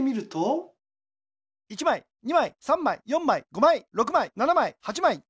１まい２まい３まい４まい５まい６まい７まい８まい。